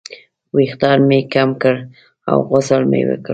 ویښتان مې کم کړل او غسل مې وکړ.